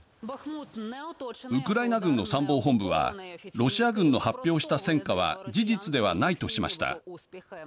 ウクライナ軍の参謀本部はロシア軍の発表した戦果は事実ではないとしました。